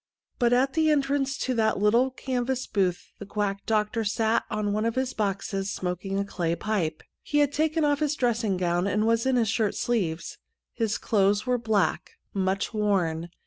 But at the entrance to that little canvas booth the quack doctor sat on one of his boxes, smoking a clay pipe. He had taken off the dressing gown, and was in his shirt sleeves ; his clothes were black, much worn.